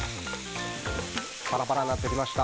パラパラになってきました。